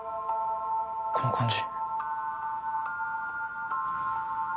この感じ。